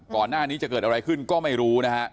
ก่อนหน้านี้จะเกิดอะไรขึ้นก็ไม่รู้นะฮะ